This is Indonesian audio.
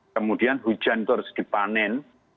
kemudian hujan itu harus dipanen